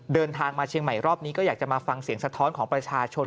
เดินทางมาเชียงใหม่รอบนี้ก็อยากจะมาฟังเสียงสะท้อนของประชาชน